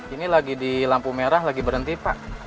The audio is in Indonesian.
ini lagi di lampu merah lagi berhenti pak